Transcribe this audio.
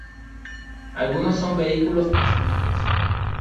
Algunos son vehículos personales.